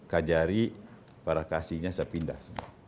kajari para kasihnya saya pindah